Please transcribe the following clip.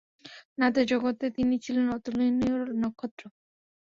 নাতের জগতে তিনি ছিলেন অতুলনীয় নক্ষত্র।